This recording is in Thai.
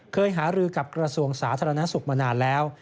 เคยหารือกับกระทรวงสาธารณสุขมานานแล้ว